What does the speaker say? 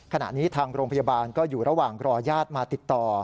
ขณะนี้ทางโรงพยาบาลก็อยู่ระหว่างรอญาติมาติดต่อ